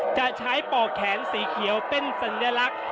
จะใช้ปอกแขนสีเขียวเป็นสัญลักษณ์